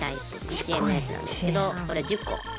１円のやつなんですけどこれ１０個。